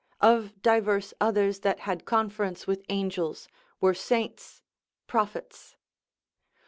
of diverse others that had conference with angels, were saints, prophets.